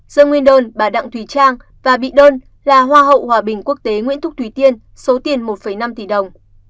do nguyên đơn bà đặng thùy trang và bị đơn là hoa hậu hòa bình quốc tế nguyễn thúc thủy tiên số tiền một năm tỷ đồng